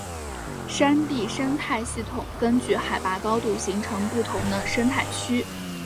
山地生态系统根据海拔高度形成不同的生态区。